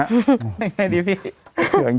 ซึ่งช่างจริง